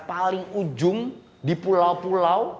paling ujung di pulau pulau